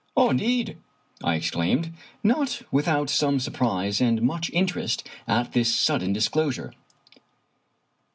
"Indeed!" I exclaimed, not without some surprise and much interest at this sudden disclosure.